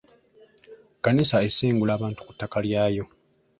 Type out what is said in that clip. Kkanisa esengula abantu ku ttaka lyayo.